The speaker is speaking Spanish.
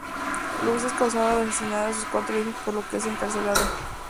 Luz es acusada de asesinar a sus cuatro hijos por lo que es encarcelada.